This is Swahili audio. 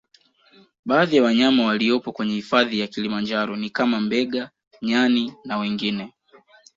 Baadhi ya wanyama waliopo kwenye hifadhi ya kilimanjaro ni kama Mbega nyani na wengine